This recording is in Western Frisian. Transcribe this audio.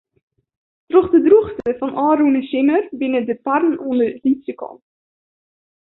Troch de drûchte fan ôfrûne simmer binne de parren oan de lytse kant.